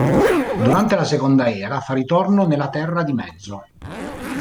Durante la Seconda Era fa ritorno nella Terra di Mezzo.